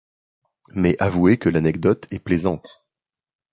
Mais avouez que l'anecdote est plaisante.